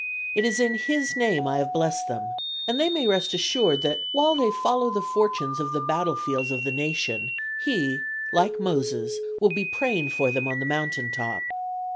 It is in his name I have blessed them, and they may rest assured that while they follow the fortunes of the battlefields of the nation, he, like Moses, will be praying for them on the mountain top.